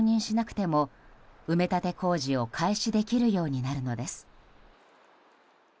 これにより沖縄県が承認しなくても埋め立て工事を開始できるようになるのです。